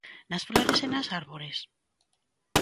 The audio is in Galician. Nas flores e nas árbores?